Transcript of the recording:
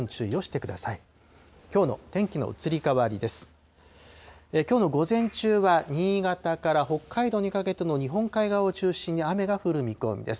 きょうの午前中は新潟から北海道にかけての日本海側を中心に雨が降る見込みです。